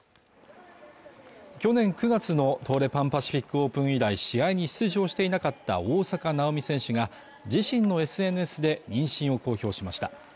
去年９月の東レパンパシフィックオープン以来試合に出場していなかった大坂なおみ選手が自身のＳＮＳで妊娠を公表しました